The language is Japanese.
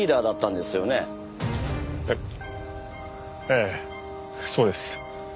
えええそうです。